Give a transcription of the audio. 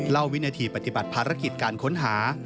วินาทีปฏิบัติภารกิจการค้นหา